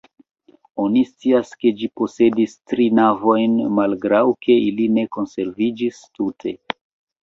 Oni scias, ke ĝi posedis tri navojn malgraŭ ke ili ne konserviĝis tute.